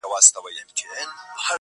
زما د زنده گۍ له هر يو درده سره مله وه